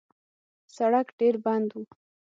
سړک ډېر بند و.